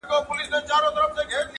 لار یې واخیسته د غره او د لاښونو.!